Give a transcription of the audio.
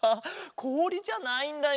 こおりじゃないんだよ。